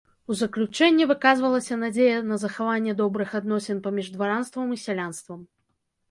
У заключэнне выказвалася надзея на захаванне добрых адносін паміж дваранствам і сялянствам.